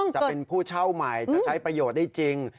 จะเป็นผู้เช่าใหม่จะใช้ประโยชน์ได้จริง